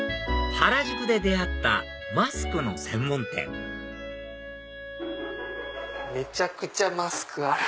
原宿で出会ったマスクの専門店めちゃくちゃマスクある！